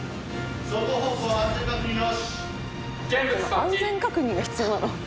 「安全確認が必要なの？」